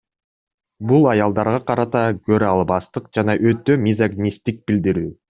Бул аялдарга карата көрө албастык жана өтө мизогинисттик билдирүү.